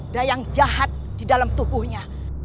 dayang jahat di dalam tubuhnya